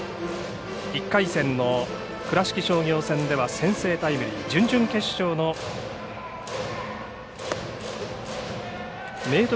１回戦の倉敷商業戦では先制タイムリー準々決勝の明徳